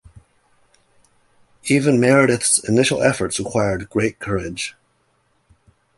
Even Meredith's initial efforts required great courage.